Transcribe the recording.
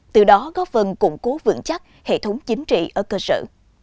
từ đó góp phần củng cố vững chắc hệ thống chính trị ở cơ sở